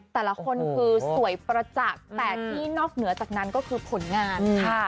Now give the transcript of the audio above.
แต่ละคนคือสวยประจักษ์แต่ที่นอกเหนือจากนั้นก็คือผลงานค่ะ